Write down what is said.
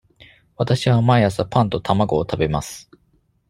わたしは毎朝パンと卵を食べます。